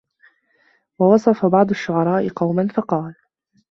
وَوَصَفَ بَعْضُ الشُّعَرَاءِ قَوْمًا فَقَالَ